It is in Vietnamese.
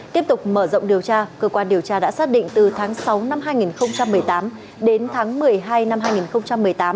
tiếp tục mở rộng điều tra cơ quan điều tra đã xác định từ tháng sáu năm hai nghìn một mươi tám đến tháng một mươi hai năm hai nghìn một mươi tám